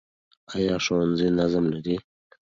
ایا ښوونځي نظم لري؟